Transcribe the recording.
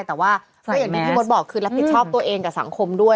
แต่ว่าก็อย่างที่พี่มดบอกคือรับผิดชอบตัวเองกับสังคมด้วย